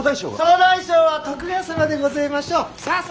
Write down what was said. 総大将は徳川様でごぜましょ！